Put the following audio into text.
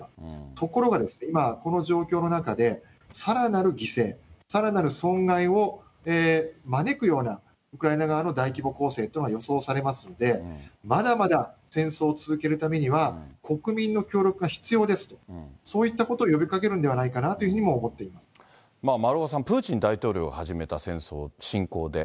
ところが今、この状況の中で、さらなる犠牲、さらなる損害を招くような、ウクライナ側の大規模攻勢というのが予想されますので、まだまだ戦争を続けるためには、国民の協力が必要ですと、そういったことを呼びかけるんではないかなというふうにも思って丸岡さん、プーチン大統領はじめた戦争、侵攻で、